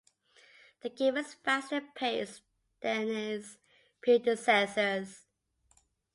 The game is faster-paced than its predecessors.